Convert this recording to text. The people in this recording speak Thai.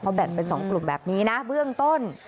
แบ่งเป็น๒กลุ่มแบบนี้นะเบื้องต้น